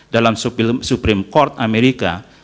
dalam supreme court amerika